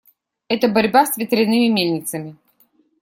Это борьба с ветряными мельницами.